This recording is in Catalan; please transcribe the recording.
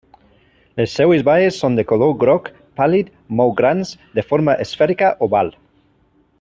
Les seues baies són de color groc pàl·lid, molt grans, de forma esfèrica oval.